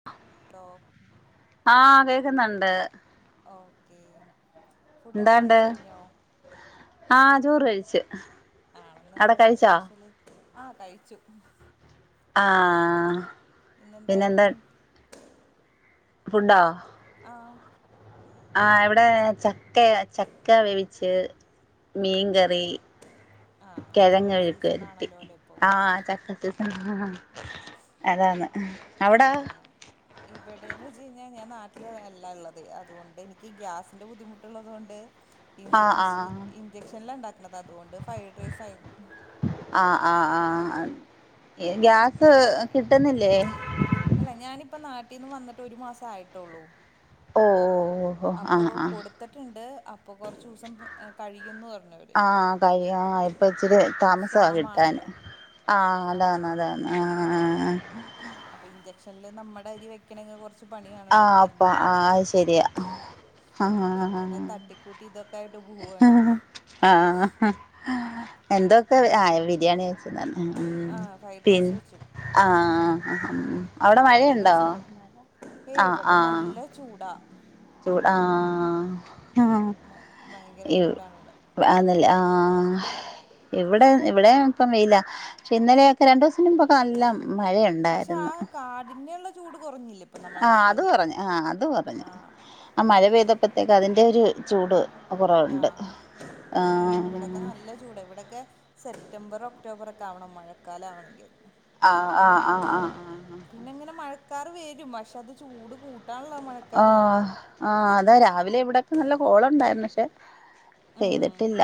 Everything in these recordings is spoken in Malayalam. [inaudible] ഹലോ ആഹ് കേക്ക്ന്ന്ണ്ട് ഓക്കേ ഫുഡൊക്കെ എന്താണ്ട് കഴിച്ച് കഴിഞ്ഞോ ആഹ് ചോറ് കഴിച്ച് ആണൊ ഇന്ന് അവിടെ എന്തായിരുന്നു കഴിച്ചോ സ്പെഷ്യല് ആഹ് കഴിച്ചു ആഹ് പിന്നെന്താ ഇന്നെന്തായിരുന്നു ഫുഡോ ആഹ് ആഹ് ഇവിടെ ചക്ക ചക്ക വേവിച്ച് മീൻകറി ആ കിഴങ്ങ് ചക്ക സീസൺ മെഴ്ക്കുവരട്ടി ആണല്ലോല്ലോ ഇപ്പൊ ആഹ് ചക്ക അതാന്ന് അവിടോ [unintelligible] ഇവിടെന്ന് വെച്ചു കഴിഞ്ഞാൽ ഞാൻ നാട്ടില് അല്ല ഇള്ളത് അതുകൊണ്ട് എനിക്ക് ഗ്യാസിന്റെ ബുദ്ധിമുട്ട് ഉള്ളതോണ്ട് ഇഞ്ചൻ ആഹ് ആഹ് ഇഞ്ചക്ഷനിൽ ഇണ്ടാക്ക്ണത് അതുകൊണ്ട് ഫ്രൈഡ് റൈസ് ആയിരുന്നു ആഹ് ആഹ് ആഹ് ഗ്യാസ് കിട്ട്ന്നില്ലേ അല്ല ഞാനിപ്പൊ നാട്ടിന്ന് വന്നിട്ട് ഒരു മാസം ആയിട്ടൊള്ളൂ ഓഹ് ഓഹ് ഓഹ് അപ്പൊ ആഹ് ആഹ് കൊട്ത്തണ്ട് അപ്പോ കൊറച്ചൂസം പ ആഹ് കഴിയും ആഹ് ഇപ്പച്ചിരി താമസമാ കിട്ടാന്- ശ്യാമാണല്ലോ ആഹ് അതാണ് അതാണ് ആഹ്ഹ് ഹ് അപ്പ ഇഞ്ചക്ഷനില് നമ്മടെയാതിരി വെക്കണങ്കി കൊറച്ച് ഇപ്പ പണിയാണല്ലോ ആഹ് അപ്പ കറന്റ് ആ അത് ശരിയാ അപ്പ ആഹ് ഇങ്ങനെ തട്ടി കൂട്ടി ഇതൊക്കായിട്ട് പോവാണ്. ആഹ് എന്തൊക്കെ ആഹ് ബിരിയാണിയായി ഹ്മ്മ് ആഹ് ഫ്രൈഡ് പിൻ റൈസ് വെച്ചു ആഹ് ഹ്മ്മ് അവ്ടെ ഓരോ മഴണ്ടോ ദിവസം ഓരോ ഏയ് ആഹ് ഇവിടെ ആഹ് നല്ല ചൂടാ ചൂ ആഹ് ഭ ഭയങ്കര [inaudible] ഇവ് ചൂടാണ് ഇവിടെ ആന്ന്ല്ലേ ആഹ് ഇവ്ടെ ഇവടെ ഇപ്പം വെയിലാ ക്ഷെ ഇന്നലെയൊക്കെ രണ്ടൂസം മുൻമ്പൊക്കെ നല്ല പക്ഷെ മഴയുണ്ടായിരുന്നു ആ കാഠിന്യള്ള ചൂട് കൊറഞ്ഞില്ലേ ആഹ് അത് കൊറഞ്ഞ് ആഹ് കൊറഞ്ഞ് ആഹ് ആ മഴ പെയ്തപ്പത്തേക്ക് അതിന്റെ ഒരു ചൂട് ഇപ്പൊ കൊറവ്ണ്ട് ആഹ് ആഹ്. ചൂട് ഇവടൊക്കെ സെപ്റ്റംബറ് ഒക്ടോബറൊക്കെ ആവണം മഴക്കാലം ആവണെങ്കിൽ ആഹ് ആഹ് ആഹ് ആഹ് പിന്നെങ്ങനെ മഴക്കാറ് വെരും പക്ഷെ അത് ചൂട് കൂട്ടാൻള്ള മഴ ആഹ് ആഹ് അതാ രാവിലെ ഇവടക്കെ നല്ല കോളുണ്ടായിരുന്നു പക്ഷെ ഉം പെയ്തിട്ടില്ല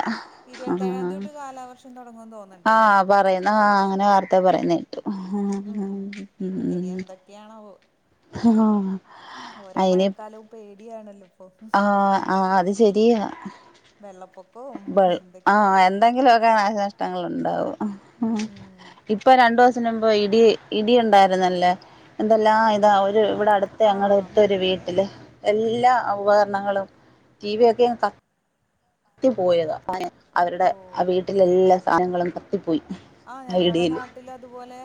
ഇരുപത്തേഴാം തീയതി ആഹ് തൊട്ട് കാലാവർഷം തുടങ്ങുന്ന് തോന്നുന്നുണ്ട്ല്ലേ ആഹ് പറയാം ആഹ് അങ്ങനെ വാർത്തെ പറയ്ണെ ഇനി എന്തൊക്കെയാണാവോ, ആഹ് ഓരോ അയിന് മഴക്കാലവും പേടിയാണല്ലോ ഇപ്പൊ ആഹ് ആഹ് അത് ശെരിയാ വെള്ളപ്പൊ ബൾ ആഹ് എന്തെങ്കിലൊ ക്കെ നാശനഷ്ടങ്ങള്ണ്ടാവും. ഉം ഇപ്പ രണ്ടോസം മുമ്പ് ഇടി ഇടി ഉണ്ടായിരുന്നല്ലോ എന്തെല്ലാം ഇതാ ഒര് ഇവടടുത്ത ആഹ് ഞങ്ങളടുത്തൊരു വീ ട്ടില് എല്ലാ ഉപകരണങ്ങളും ടി വി ഒക്കെ അങ്ങ് ക ത്തി പോയതാ അ ഓ അവരുടെ ആഹ് വീട്ടിലെല്ലാ സാനങ്ങളും കത്തിപ്പോയി. ആഹ് ആ ഞങ്ങളെ ഇടിയില് നാട്ടിലതുപോലെ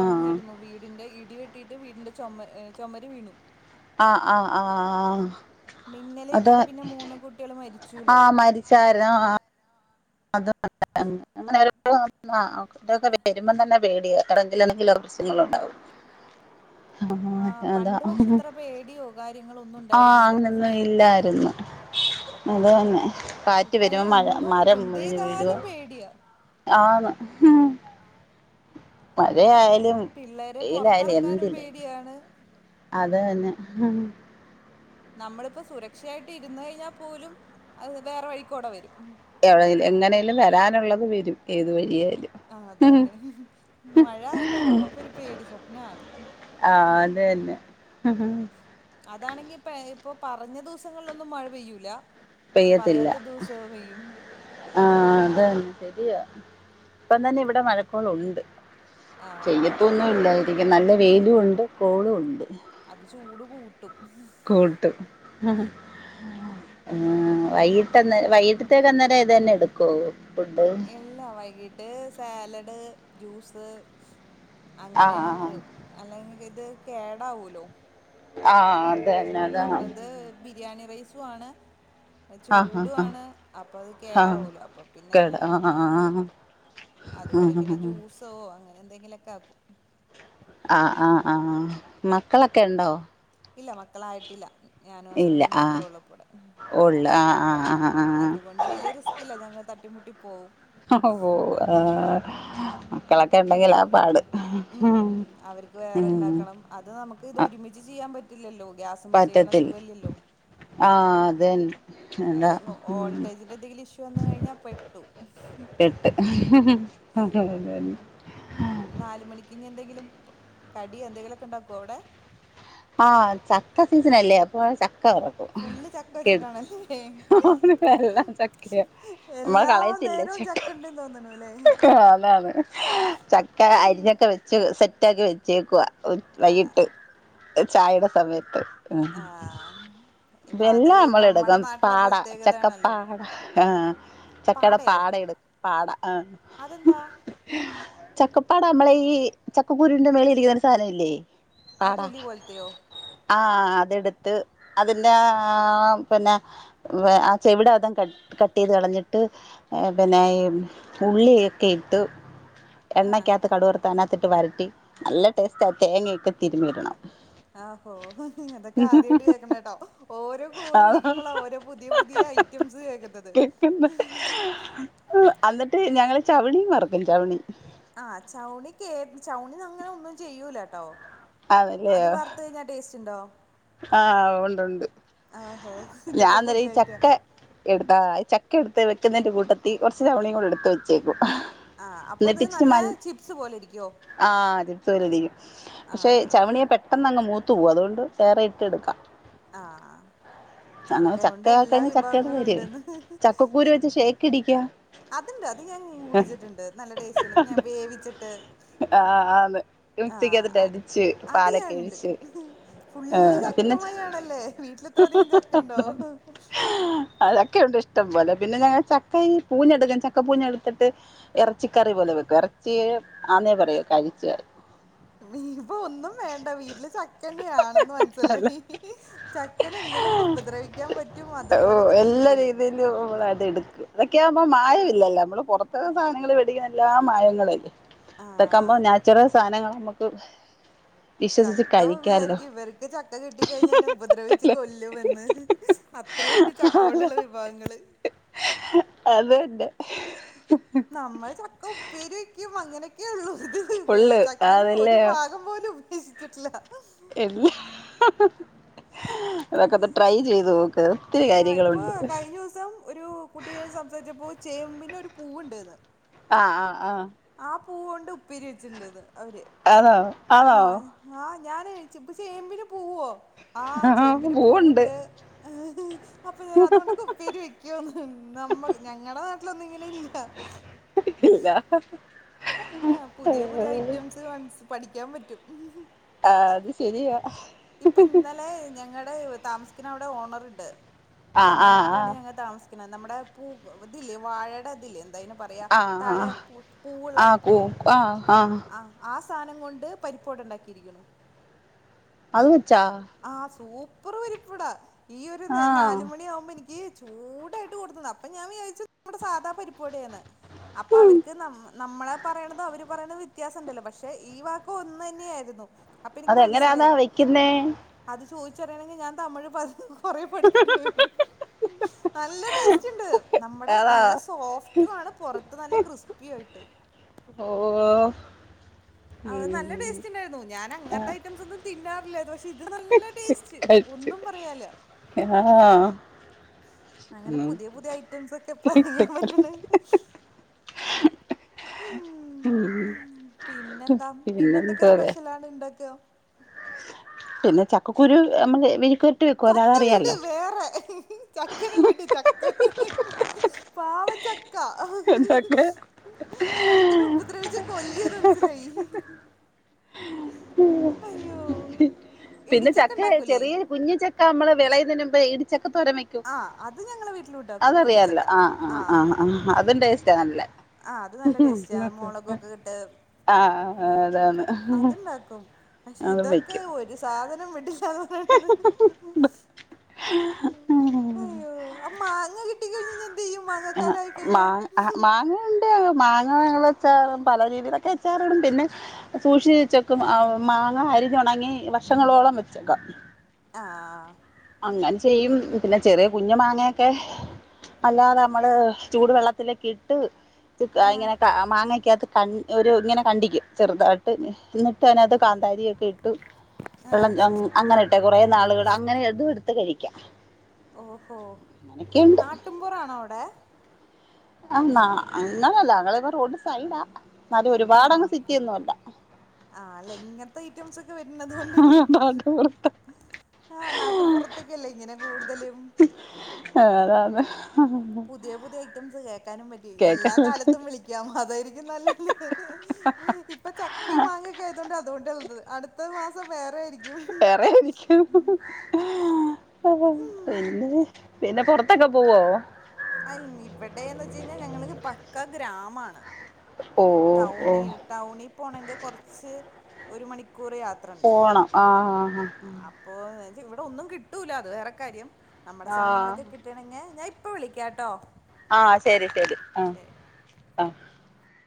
ആഹ് വീടിന്റെ ഇടിവെട് ട്ടിട്ട് വീടിന്റെ ചൊമ ഏഹ് ചൊമര് വീണു. ആഹ് ആഹ് ആഹാ മിന്നലേറ്റിട്ട് പിന്നെ മൂന്ന് കുട്ട്യോള് മരിച്ചൂലോ [unintelligible] ആഹ് അത് [unintelligible] ഇതൊക്കെ വരുമ്പം തന്നെ പേടിയ വേറെ എന്തിലാനെങ്കിലും പ്രശ്നങ്ങളുണ്ടാവും. ആഹ് അതാ പണ്ട് പക്ഷെ ഇത്ര പേടിയോ കാര്യങ്ങളോ ഒന്നും [inaudible] ആഹ് ഉണ്ടായിരുന്നില്ല അങ്ങനൊന്നും ഇല്ലാരുംന്ന് അത് തന്നെ കാറ്റ് ഇപ്പ വരുമ്പോ മഴ അയിനൊന്നും മരം മുറിഞ്ഞു വീഴുവാ എന്തെയ്താലും പേടിയാ ആന്ന് മഴയായാലും പിള്ളേരെ വെയിലായാലും പൊറത്തെറ്ക്കാനും എന്തില് പേടിയാണ് അത് തന്നെ. നമ്മളിപ്പോ സുരക്ഷയായിട്ട് ഇരുന്ന് കഴിഞ്ഞാ പോലും അത് വേറെ വഴിക്കോടെ വരും എവിടെങ്കിലും എങ്ങനെലും വരാനുള്ളത് വരും ഏതു വഴിയായാലും ആഹ് അതന്നെ മഴ എന്ന് പറയുമ്പോ ഇപ്പൊ ഒരു പേടി സ്വപ്നാണ് ആഹ് അത് തന്നെ അതാണെങ്കി ഇപ്പ ഇപ്പൊ പറഞ്ഞ ദിവസങ്ങളിലൊന്നും മഴ പെയ്യൂല പെയ്യത്തില്ല പറയാത്ത ദിവസ പെയ്യും ആഹ് അത് തന്നെ ശരിയാ ഇപ്പം തന്നെ ഇവി ഇവിടെ മഴക്കോളുണ്ട് ആഹ് പെയ്യത്തൊന്നും ഇല്ലാ എങ്കിൽ നല്ല വെയിലും ഉണ്ട് കോളും ഉണ്ട് അത് ചൂട് കൂട്ടും കൂട്ടും ആ വൈകിട്ട് അന്നേ വൈകി ന്നേരം ഇത് തന്നെ എടുക്കോ ഫുഡ്? ഇല്ല വൈകീട്ട് സാലഡ്, ജ്യൂസ് അങ്ങനെ ആഹ് ആഹ് ആക്കും. അല്ലെങ്കിൽ ഇത് കേടാവുല്ലോ? ആഹ് അത് പിന്നെ തന്നെ അത് ഒന്നാമത് ബിരിയാണി റൈസു വാണ് ആഹ് ആഹ് ആഹ് ചൂടുവാണ് അപ്പ അത് കേടാവല്ലോ. അപ്പ പിന്നെ ആ ഹാ അതുകൊണ്ട് പിന്നെ ജ്യൂസോ അങ്ങനെ എന്തെങ്കിലും ഒക്കെ ആക്കും. ആ ആ ആ മക്കളൊക്കെ ഉണ്ടോ? ഇല്ല മക്കളായിട്ടില്ല. ഞാനും ഇല്ല ഹസ്ബൻഡും മാത്രം ആഹ് ഉള്ളൂ ഇപ്പ ഇവിടെ ഉള്ളു ആഹ് ആഹ് ആഹ് അതുകൊണ്ട്- വലിയ റിസ്കില്ല ഞങ്ങൾ തട്ടിമുട്ടി പോവും. ഒഹോ ഓ അഹ് മക്കളൊക്കെ ണ്ടെങ്കിലാ പാട് ഉം ഹും അവർക്ക് വേറെ ഉം. ഉണ്ടാക്കണം അത് നമുക്ക്ത് ഒരുമിച്ച് ചെയ്യാൻ പറ്റില്ലല്ലോ ഗ്യാസ്. പറ്റത്തിൽ ആഹ് അതന്നെ. അത് വോൾട്ടേജിന്റെ എന്തെങ്കിലും ഇഷ്യൂ വന്ന് കഴിഞ്ഞാൽ പെട്ടു. ആ ഹു ഹു [unintelligible] നാല് മണിക്ക്എന്തെങ്കിലും കടിയോ എന്തെങ്കിലുമൊക്കെ ഉണ്ടാക്കോ അവിടെ? ആ ചക്ക സീസണല്ലേ അപ്പോ ച റക്കും ഫുള്ള് ചക്ക കേ വെച്ചിട്ടാണല്ലേ അവന എല്ലാം ചക്കയാ. മ്മള് എല്ലാ കളയത്തില്ല നേരവും ചക്ക ഉണ്ടെന്ന് തോന്നണല്ലേ അതെ അതെ. ചക്ക അരിഞ്ഞൊക്കെ വെച്ച് സെറ്റാക്കി വെച്ചേക്കുവാ ആ വൈകീട്ട്. ചായേടെ സമയത്ത് ഉം ആ ഇപ്പൊ വെല്ല അത് നമ്മള് നമ്മുടെ എടുക്കും നാട്ടിലെ പാട ചക്കപ്പാ പ്രത്യേകതയാണല്ലോ ആഹ് ചക്കേട പാടയോ പാട 'യേണ്പാട ആഹ്. അതെന്താ ചക്കപ്പാട മ്മളെയീ ചക്കക്കുരുന്റെ മേളീ ഇരിക്കുന്ന ഒരു സാധനം ഇല്ലേ. ആ തൊലി പോൽതയോ. ആഹ് അതെടുത്ത് അതിന്റെ ആഹ് പിന്നെ ആ ചെവിടെ അത കട്ട് കട്ടീത് കളഞ്ഞിട്ട് പിന്നെ ഉള്ളിയക്കെ ഇട്ട്. ആ എണ്ണയ്ക്കകത്ത് കടവർത്ത് അതിനകത്തിട്ട് വരട്ടി നല്ല ടേസ്റ്റാ തേങ്ങയൊക്കെ തിരുമി ഇടണം. ആഹോ തൊക്കെ ആത്യായിട്ട് കേക്ണേട്ടോ ഓരോ ആ കോള് വിളിക്കുമ്പളാ ഓരോ പുതിയ, പുതിയ ഐ റ്റ സ് കേക് ത്തത്. അന്ന്ട്ട് ഞങ്ങള് ചവണീം മറക്കും ചവണി. ആ ചൗണി കേ ചൗണി അങ്ങനെ ഒന്നും ചെയ്യൂലാട്ടോ. അത് വർത്തയിഞ്ഞാ ടേസ്റ്റ്ണ്ടോ. ആഹ് ഒണ്ടൊണ്ട് ഇതൊക്കെ ഞാന് തര ഈ പുതിയ ഐറ്റാ ചക്ക. എടുത്താ ചക്ക എടുത്ത് വെക്കുന്നേന്റെ കൂട്ടത്തി കൊറച്ച് ചവണീ കൂടെ എടുത്ത് വെച്ചേക്കും. ആഹ് അപ്പൊത് നല്ല ചിപ്സ് പോലെ ഇരിക്ക്യോ. ആഹ് ചിപ്സ് പോലിരിക്കും പക്ഷെ ആഹ് ചവണിയെ പെ പെട്ടെന്ന് അങ് മൂത്തു പോവും അതുകൊണ്ട് വേറെ ഇട്ടെടുക്കാം. ആഹ്. അങ്ങനെ ചക്ക്യോണ്ട് എല്ലാ ചക്കയായിക്കഴിഞ്ഞാ ചക്കയുടെ വിഭവങ്ങളും കാര്യായി. ഉണ്ടന്ന്. വി ചക്കക്കുരു വെച്ച് ഷേക്കടിക്കാ. അത്ണ്ട് അത് ഞാൻ കുടിച്ചിട്ടുണ്ട് നല്ല ടേസ്റ്റ്ണ്ട് ഞാൻ വേവിച്ചിട്ട്. ആഹ് ന്ന് മിക്സികക്കത്തിട്ട് ആഹ് അടിച്ച് അത് പാലൊക്കെ ഞാനുണ്ട് ഒഴിച്ച്. ഫുള്ള് ആഹ് പിന്നെ ചക്കമയാണല്ലേ വീട്ടിൽ ഇത്ര അധികം ചക്കണ്ടോ താണ്. അഹ് ചക്കയുണ്ട് ഇഷ്ടംപോലെ പിന്നെ ഞങ്ങ ചക്ക പൂഞ്ഞെടുക്കൻ ചക്ക പൂഞ്ഞെടുത്തിട്ട്. ഇറച്ചിക്കറി പോലെ വെക്കും ഇറച്ചി ആന്നേ പറയൂ കഴിച്ചാ. നീ ഇപ്പ ഒന്നും വേണ്ട വീട്ടില് ചക്കന്നെയാണെന്ന് മനസ്സിലായി. ചക്കന് എങ്ങനെയൊക്കെ ഉപദ്രവിക്കാൻ പറ്റും അതുപോലൊക്കെ ചെയ്യും. നല്ല രീതിയിലും ഇമ്മൾ അടി എട് ഇതൊക്കെയാമ്പോ മായം ഇല്ലല്ലോ. നമ്മള് പുറത്ത് സാധനങ്ങള് മേടിക്കുന്ന എല്ലാം മായങ്ങളല്ലേ. ഇതൊക്കാവുമ്പോ ആഹ് നാച്ചുറൽ സാധനങ്ങളാ നമുക്ക് വിശ്വസിച്ച് കഴിക്കാല്ലോ ചക്കവിചാരിക്കും ഇവര് ക്ക് ചക്ക കിട്ടിക്കഴിഞ്ഞാ എന്നെ ഉപദ്രവിച്ചു കൊല്ലുമെന്ന്. അത്രയുണ്ട് ചക്കോടുള്ള വിഭവങ്ങള്. അതന്നെ. നമ്മള് ചക്ക ഉപ്പേരി വെക്കും. അങ്ങനെയൊക്കെ ഉള്ളൂ. ഇത് ഫുള്ള് ചക്കേനെ ഒരു അതല്ലേ ഭാ ഗം പോലും ഉപേക്ഷിച്ചിട്ടില്ല. അതൊക്കൊന്ന് ട്രൈ ചെയ്ത് നോക്ക്. ഒത്തിരി ആഹ് ഇപ്പൊ കാര്യങ്ങളുണ്ട് കഴിഞ്ഞ ദിവസം ഒരു കുട്ടിയായി സംസാരിച്ചപ്പോ ചേമ്പിന് ഒരു പൂവുണ്ടന്ന്. ആഹ് ആഹ് ആഹ്. ആഹ് പൂവു കൊണ്ട് ഉപ്പേരി വെച്ചിട്ടുണ്ടെന്ന് അവര്. ആന്നോ ആന്നോ. ആഹ് ആഹ് ഞാന് ച്ച് ചേമ്പിന് പൂവോ? ആഹ് ചേമ്പിന് പൂവുണ്ട്. [inaudible] അപ്പൊ ഞാൻ അതുകൊണ്ടൊക്കെ ഉപ്പേരി വെക്കുവോന്ന്. നമ്മ ഞങ്ങടെ നാട്ടിലൊന്നും ഇങ്ങനെ ഇല്ല. ക്കില്ലാ. ആഹ് പുതിയ പുതിയ ഐറ്റംസ് വൻസ് പഠിക്കാൻ പറ്റും. ആഹ് അത് ശരിയാ. ഇപ്പൊ ഇന്നലെ ഞങ്ങളുടെ താമസിക്കുന്ന അവിടെ ഓണറുണ്ട്. ആ ആ തമിഴ്നാടാണ് ഞങ്ങ താമ നമ്മുടെ പൂ ഇതില്ലേ വാഴയുടെ അതില്ലേ എന്താ അതിന് പറയാ. ആ ആ ആ താഴെ പൂ ആ പൂവുള്ളെ. കൂ ആ ആ ആഹ് ആഹ് സാധനം കൊണ്ട് പരിപ്പുവട ഉണ്ടാക്കിയിരിക്കണു. അത് വെച്ചാ? ആഹ് സൂപ്പർ പരിപ്പുവടാ. ഈ ഒരു ആ നാലുമണി ആവുമ്പോ എനിക്ക് ഈ ചൂടായിട്ട് കൊടുത്തന്ന്. അപ്പൊ ഞാൻ വിചാരിച്ചു നമ്മുടെ സാധാ പരിപ്പുവടയാണ്. അപ്പൊ അവർക്ക് നം നമ്മളെ പറയണതും അവര് പറയണതും വ്യത്യാസം ഉണ്ടല്ലോ. പക്ഷെ ഈ വാ ക്കും ഒന്നു തന്നെയായിരുന്നു. അപ്പൊ എനിക്ക് അതെങ്ങനെയാന്നാ മനസ്സിലായി വെക്കുന്നേ? അത് ചോദിച്ചറിയണമെങ്കി ഞാൻ തമിഴ് പ കൊറേ പഠിക്കേണ്ടി വരും. നല്ല ടേസ്റ്റുണ്ട്. നമ്മടെ അതാ നല്ല സോഫ്റ്റു ആണ് പുറത്ത് നല്ല ക്രിസ്പി ആയിട്ട്. ഓഹ്. അത് നല്ല ടേസ്റ്റ് ഉണ്ടായിരുന്നു. ഞാൻ ആ അങ്ങത്തെ ഐറ്റംസൊന്നും തിന്നാറില്ലയിരുന്നു പക്ഷെ ഇത് നല്ല ടേസ്റ്റ് ഒന്നും പറയാനില്ല. ഏഹ് ആഹ്. അങ്ങനെ പുതിയ പുതിയ ഐറ്റംസ് ഒക്കെ ഇപ്പ അറിയാൻ പറ്റണ് [unintelligible] ഉം പിന്നെ എന്താ. പിന്നെ എന്തൊക്കെ പിന്നെന്തോരെ സ്പെഷ്യലാണ് ഉണ്ടാക്കാ? പിന്നെ ചക്കക്കുരു നമ്മള് മെഴുക്ക് ചക്ക വിട്. വേറെ? ചക്കേനെ വിട്. ചക്കെ പാവം ച ക്ക. എന്തൊക്കെ ചക്കെനെ ഉപദ്രവിച്ച് കൊല്ലേന്ന് മനസ്സിലായി. അയ്യോ പിന്നെ ഇടിച്ചക്ക ചക്ക ഉണ്ടാക്കൂലേ ചെറിയ കുഞ്ഞി ചക്ക നമ്മള് വിളയുന്നതിന് മുമ്പേ ഇടിച്ചൊക്കെ തോരൻ വയ് ആ അത് ഞങ്ങളെ വീട്ടിലും ഉണ്ടാക്കും ക്കുംഅതറിയാലോ. ഇടിച്ചക്ക ആഹ് ആഹ് ആഹ് ആഹ് അതും. ടേസ്റ്റാ നല്ല. ആഹ് അത് നല്ല ടേസ്റ്റാ. മൊളകൊക്കെ ഇട്ട് ആഹ് അതാണ്. അത്ണ്ടാക്കും. പക്ഷെ അത് ഇതൊക്കെ വെക്കും ഒരു സാധനം വിടില്ലാന്നു അയ്യോ അപ്പ മാങ്ങ കിട്ടിക്കഴിഞ്ഞ് എന്ത് ചെയ്യും? മാ ആഹ് മാ ആഹ് മാങ്ങ മാങ്ങ അച്ചാർ പല രീതിയിലൊക്കെ അച്ചാറിടും പിന്നെ സൂക്ഷിച്ചു വെക്കും മാങ്ങ അരിഞ്ഞുണങ്ങി വർഷങ്ങളോളം വെച്ചേക്കാം ആഹ് അങ്ങനെ ചെയ്യും പിന്നെ ചെറിയ കുഞ്ഞു മാങ്ങയൊക്കെ അല്ലാതെ നമ്മള് ചൂട് വെള്ളത്തിലൊക്കെ ഇട്ട് ആഹ് ഇങ്ങനെ ക്കെ മാങ്ങക്കകത്ത് ക ഒരു ഇങ്ങനെ കണ്ടിക് ചെറുതായിട്ട് അയ്നകത്ത് കാന്താരിയൊക്കെ ഇട്ടു വെള്ളം ആഹ് അങ്ങനെ ഇട്ടെ കുറെ അങ്ങനെട്ടെ നാളുകൾ കുറേ അങ്ങനെ ഇട്ട് ഇത്എടുത്ത് കഴിക്കാം ഓഹോ അങ്ങനൊക്കെയുണ്ട് നാട്ടുമ്പൊറാണോ അവിടെ ആ ന്നാ അങ്ങനെല്ല ഞങ്ങൾ ഇപ്പ റോഡ് സൈഡാ എന്നാലും ആണോ ഒരുപാടങ്ങ് സിറ്റിയൊന്നും അല്ല ആഹ് അല്ല ഇങ്ങനത്തെ ഐറ്റംസ് ഒക്കെ വരുന്നതു കൊണ്ട് ആഹ് നാട്ടിൻ പുറത്തൊക്കെല്ലേ ഇങ്ങനെ കൂടുതലും ആഹ് അതാണ് പുതിയ പുതിയ ഐറ്റംസ് കേൾക്കാനും പറ്റും കേക്കാൻ ഇനിഎല്ലാ പറ്റ കാലത്തും വിളിക്കാം അതായിരിക്കും നല്ലത് ഇപ്പൊ ചക്കേം മാങ്ങൊക്കെ ആയതൊണ്ട് അതോണ്ടാള്ളത് അടുത്ത മാസം വേറെ ആയിരിക്കും വേറെ ഇരിക്കും പിന്നെ പിന്നെ പുറത്തൊക്കെ പോവോ അയിന്ന് ഇവിടെന്ന് വെച്ച് കഴിഞ്ഞാൽ ഞങ്ങക്ക് പക്കാ ഗ്രാമാണ് ഓ ഓ ടൗണിൽ ടൗണിൽ പോണങ്കിൽ കുറച്ച് ഒരു മണിക്കൂർ യാത്ര പോണം ആഹ് ആഹ് ആഹ് അപ്പോ വച്ച ഇവിടെ ഒന്നും കിട്ടൂല അത് വേറെ കാര്യം നമ്മടെ ആ സാധനങ്ങളൊക്കെ ആ കിട്ട ട്ടണങ്കി ഞാൻ ഇപ്പൊ വിളിക്കാട്ടോ ആഹ് ശരി ശരി ആഹ് ശരി ആഹ്